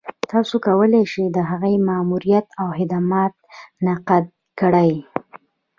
تاسو کولای شئ د هغې ماموريت او خدمات نقد کړئ.